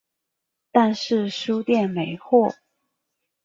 但是书店没货